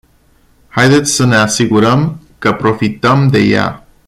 Haideți să ne asigurăm că profităm de ea.